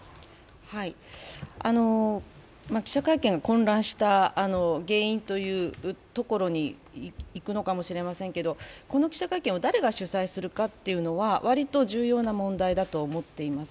記者会見が混乱した原因というところにいくのかもしれませんけれども、この記者会見を誰が主催するかというのは割と重要な問題だと思っています。